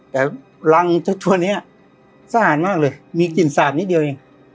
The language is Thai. แต่รังเจ้าตัวนี้สะอาดมากเลยมีกลิ่นสาบนิดเดียวเอง